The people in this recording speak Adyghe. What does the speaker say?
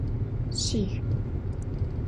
Şsix.